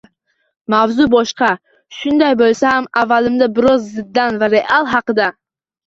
Mavzu boshqa. Shunday bo‘lsa ham, avvalida biroz Zidan va “Real” haqida.